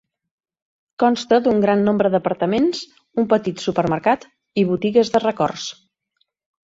Consta d'un gran nombre d'apartaments, un petit supermercat i botigues de records.